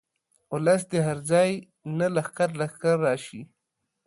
اولس دې هر ځاي نه لښکر لښکر راشي.